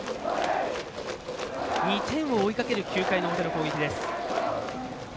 ２点を追いかける９回表の攻撃。